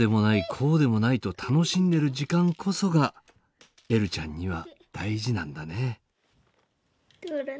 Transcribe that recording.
こうでもないと楽しんでる時間こそがえるちゃんには大事なんだね。